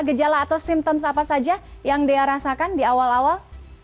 gejala atau simptoms apa saja yang dea rasakan di awal awal